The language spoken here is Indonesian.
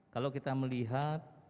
kalau kita melihat